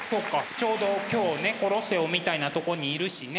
ちょうど今日ねコロッセオみたいなとこにいるしね。